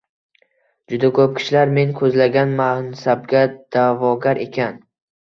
Juda koʻp kishilar men koʻzlagan mansabga daʼvogar ekan.